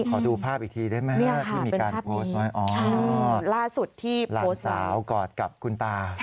ขอดูภาพอีกทีได้ไหมฮะที่มีการโพสต์ไว้อ๋อล่าสุดที่หลานสาวกอดกับคุณตา